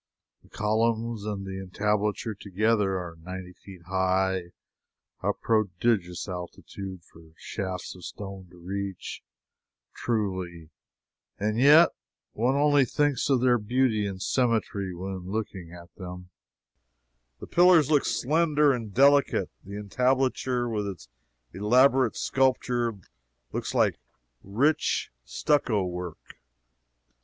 The columns and the entablature together are ninety feet high a prodigious altitude for shafts of stone to reach, truly and yet one only thinks of their beauty and symmetry when looking at them; the pillars look slender and delicate, the entablature, with its elaborate sculpture, looks like rich stucco work.